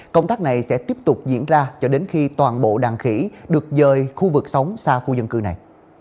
công tác này sẽ tiếp tục diễn ra cho đến khi toàn bộ đàn khỉ được dơi khu vực sống xa khu dân cư này